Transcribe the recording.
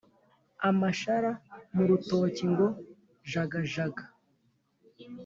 amashara mu rutoke ngo jagajaga